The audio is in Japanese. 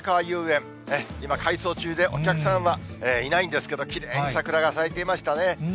遊園、今、改装中で、お客さんはいないんですけど、きれいに桜が咲いていましたね。